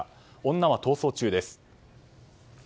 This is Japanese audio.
女は逃走中です。